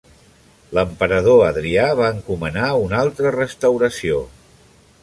L'emperador Adrià va encomanar una altra restauració.